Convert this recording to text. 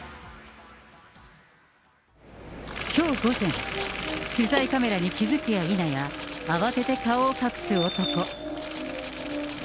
きょう午前、取材カメラに気付くや否や、慌てて顔を隠す男。